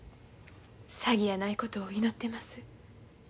詐欺やないことを祈ってます。